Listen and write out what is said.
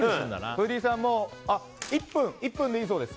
フーディーさんも１分でいいそうです。